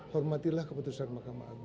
hormatilah keputusan mahkamah